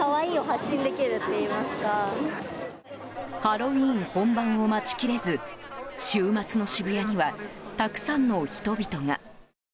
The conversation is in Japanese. ハロウィーン本番を待ちきれず週末の渋谷にはたくさんの人々が。